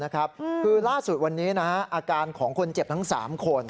คือล่าสุดวันนี้อาการของคนเจ็บทั้ง๓คน